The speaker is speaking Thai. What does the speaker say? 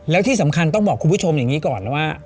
แล้วที่สำคัญต้องบอกคุณผู้ชมอย่างนี้ก่อนนะว่า